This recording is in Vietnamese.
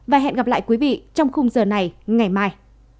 và hẹn gặp lại quý vị trong khung giờ này ngày mai